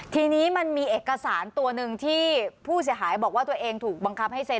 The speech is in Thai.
ทีนี้มันมีเอกสารตัวหนึ่งที่ผู้เสียหายบอกว่าตัวเองถูกบังคับให้เซ็น